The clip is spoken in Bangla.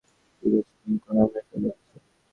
ঠিক আছে, লিংকন, আমরা চলে এসেছি।